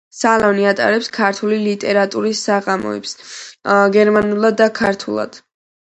სალონი ატარებს ქართული ლიტერატურის საღამოებს გერმანულად და ქართულად.